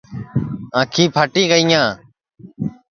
آنکھِیں پھاٹی گینیاں